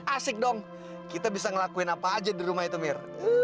asik dong kita bisa ngelakuin apa aja di rumah itu mir